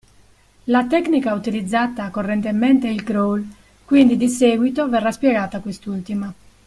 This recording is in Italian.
La tecnica utilizzata correntemente è il crawl, quindi di seguito verrà spiegata quest'ultima.